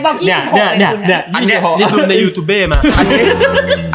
อันนี้ดูในยูทูเป้มา